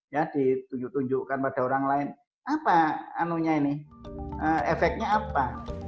ya ditunjuk tunjukkan pada orang lain apa anunya ini efeknya apa